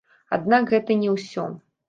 Аднак гэта не ўсё.